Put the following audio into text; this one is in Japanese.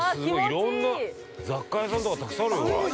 いろんな雑貨屋さんとか、たくさんあるよ、ほら。